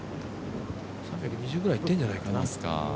３２０ぐらいいってるんじゃないかな。